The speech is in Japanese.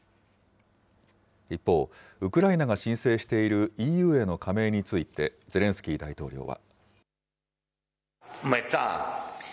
一方、ウクライナが申請しているＥＵへの加盟についてゼレンスキー大統領は。